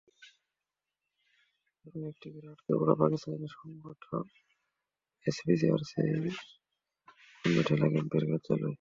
এখানে একটি ঘরে আটকে পড়া পাকিস্তানিদের সংগঠন এসপিজিআরসির কুর্মিটোলা ক্যাম্পের কার্যালয়।